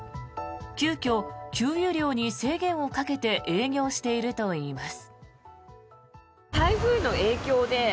急きょ、給油量に制限をかけて営業しているといいます。